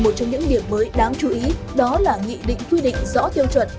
một trong những điểm mới đáng chú ý đó là nghị định quy định rõ tiêu chuẩn